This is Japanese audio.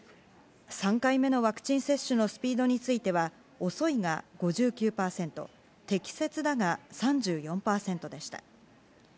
３回目のワクチン接種のスピードについては「遅い」が５９％「適切だ」が３４％でした。